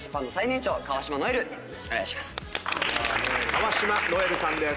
川島如恵留さんです。